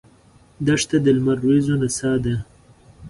دښته د لمر وریځو نڅا ده.